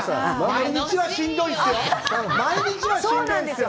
毎日は、しんどいっすよ。